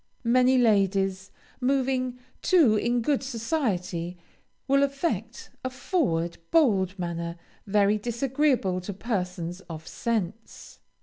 Many ladies, moving, too, in good society, will affect a forward, bold manner, very disagreeable to persons of sense.